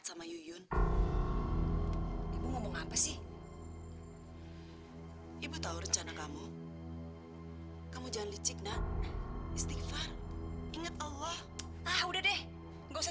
sampai jumpa di video selanjutnya